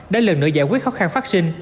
đã lần nữa giải quyết khó khăn vaccine